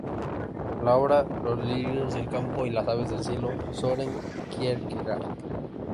La Obra "Los lirios del campo y las aves del cielo" de Søren Kierkegaard.